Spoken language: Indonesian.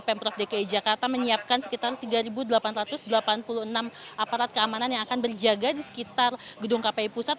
pemprov dki jakarta menyiapkan sekitar tiga delapan ratus delapan puluh enam aparat keamanan yang akan berjaga di sekitar gedung kpi pusat